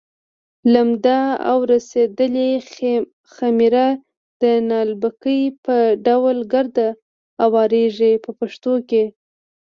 لمده او رسېدلې خمېره د نالبکي په ډول ګرد اوارېږي په پښتو کې.